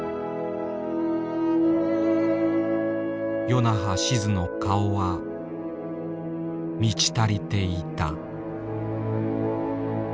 与那覇しづの顔は満ち足りていた。